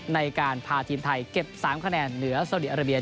ในการพาทีมไทยเก็บ๓คะแนนเหนือโซดีอาราเบีย